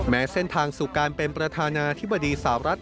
เส้นทางสู่การเป็นประธานาธิบดีสาวรัฐ